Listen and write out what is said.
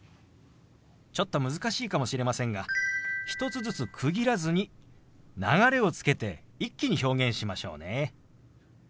ちょっと難しいかもしれませんが１つずつ区切らずに流れをつけて一気に表現しましょうね。